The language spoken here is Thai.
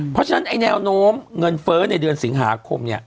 เพราะฉะนั้นไอ้แนวโน้มเงินเฟ้อในเดือนสิงหาคม